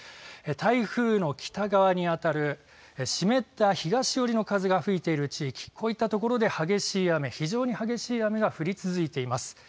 台風の北側にあたる湿った東寄りの風が吹いている地域、こういったところで激しい雨、非常に激しい雨が降り続いています。